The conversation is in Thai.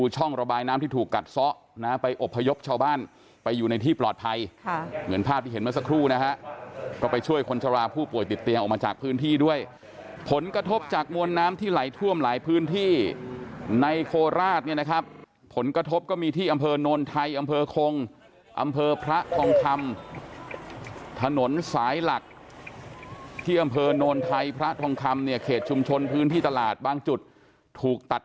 ช่องระบายน้ำที่ถูกกัดซะนะไปอบพยพชาวบ้านไปอยู่ในที่ปลอดภัยค่ะเหมือนภาพที่เห็นเมื่อสักครู่นะฮะก็ไปช่วยคนชะลาผู้ป่วยติดเตียงออกมาจากพื้นที่ด้วยผลกระทบจากมวลน้ำที่ไหลท่วมหลายพื้นที่ในโคราชเนี่ยนะครับผลกระทบก็มีที่อำเภอโนนไทยอำเภอคงอำเภอพระทองคำถนนสายหลักที่อำเภอโนนไทยพระทองคำเนี่ยเขตชุมชนพื้นที่ตลาดบางจุดถูกตัด